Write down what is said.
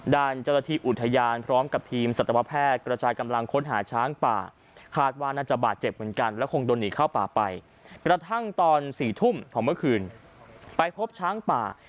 ด้านเจ้าจตอธิบอุทยาล